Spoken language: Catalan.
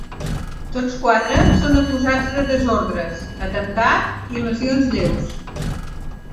Tots quatre són acusats de desordres, atemptat i lesions lleus.